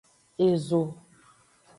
Ezo.